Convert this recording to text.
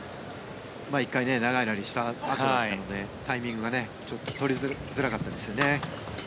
１回長いラリーをしたあとだったのでタイミングがちょっと取りづらかったですよね。